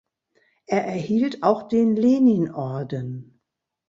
Er erhielt auch den Leninorden.